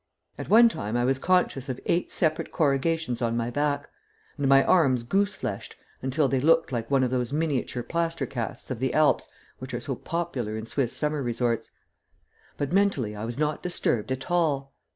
At one time I was conscious of eight separate corrugations on my back, and my arms goose fleshed until they looked like one of those miniature plaster casts of the Alps which are so popular in Swiss summer resorts; but mentally I was not disturbed at all.